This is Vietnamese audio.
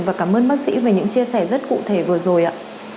và cảm ơn bác sĩ về những chia sẻ rất cụ thể vừa rồi ạ